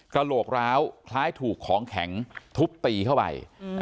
กระโหลกร้าวคล้ายถูกของแข็งทุบตีเข้าไป